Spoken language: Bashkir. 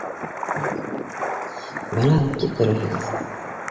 — Бәлә һалып тик йөрөйһөгөҙ.